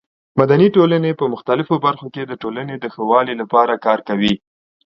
مدني ټولنه په مختلفو برخو کې د ټولنې د ښه والي لپاره کار کوي.